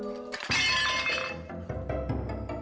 oke kita ambil biar cepet